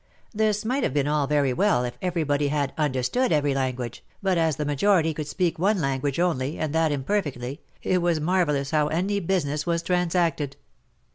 This might have been all very well if everybody had ztnderstood every language, but as the majority could speak one language only, and that imperfectly, it was marvellous how any business was transacted.